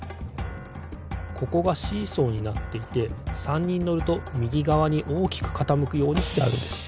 ここがシーソーになっていて３にんのるとみぎがわにおおきくかたむくようにしてあるんです。